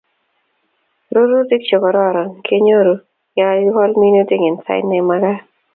rurutik chekororon kenyoruu yakakikol minutik en sait nemakat